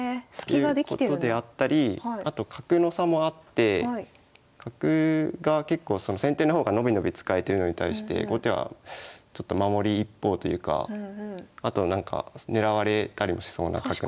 ということであったりあと角の差もあって角が結構先手の方が伸び伸び使えてるのに対して後手はちょっと守り一方というかあとはなんか狙われたりもしそうな角なので。